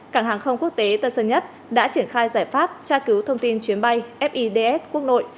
cảng hàng không quốc tế tân sơn nhất đã triển khai giải pháp tra cứu thông tin chuyến bay fids quốc nội